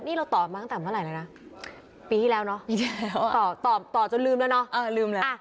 นี่เราตอบมาตั้งแต่เมื่อไหร่แล้วนะปีที่แล้วเนาะปีที่แล้วตอบต่อจนลืมแล้วเนาะลืมเลย